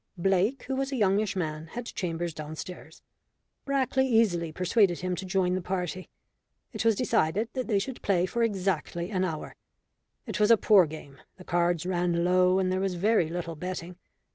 Blake, who was a youngish man, had chambers downstairs. Brackley easily persuaded him to join the party. It was decided that they should play for exactly an hour. It was a poor game; the cards ran low, and there was very little betting.